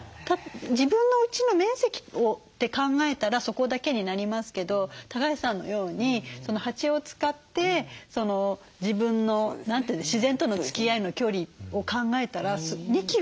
自分のうちの面積をって考えたらそこだけになりますけど橋さんのように蜂を使って自分の自然とのつきあいの距離を考えたら２キロもあるわけですよね。